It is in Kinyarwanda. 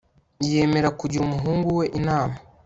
yemera kugira umuhungu we inama